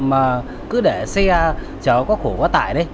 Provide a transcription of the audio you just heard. mà cứ để xe chở quá khổ quá tải đấy